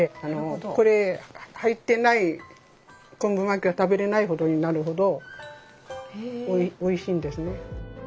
これ入ってない昆布巻きは食べれないほどになるほどおいしいんですね。